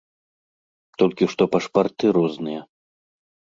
Толькі што пашпарты розныя.